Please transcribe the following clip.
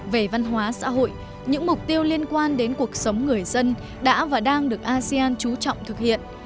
về văn hóa xã hội những mục tiêu liên quan đến cuộc sống người dân đã và đang được asean chú trọng thực hiện